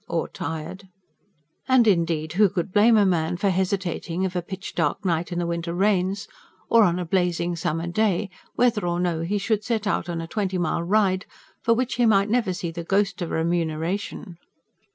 Or tired. And indeed who could blame a man for hesitating of a pitch dark night in the winter rains, or on a blazing summer day, whether or no he should set out on a twenty mile ride for which he might never see the ghost of a remuneration?